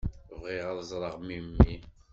Bɣiɣ ad ẓreɣ memmi.